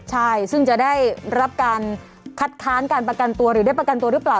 ใช่ซึ่งจะได้รับการคัดค้านการประกันตัวหรือได้ประกันตัวหรือเปล่า